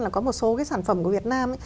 là có một số cái sản phẩm của việt nam